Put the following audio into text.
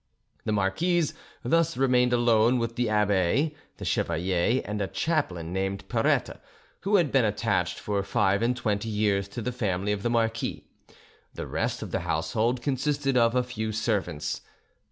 The marquise thus remained alone with the abbe, the chevalier, and a chaplain named Perette, who had been attached for five and twenty years to the family of the marquis. The rest of the household consisted of a few servants.